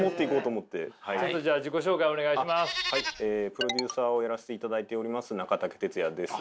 プロデューサーをやらせていただいております中武哲也です。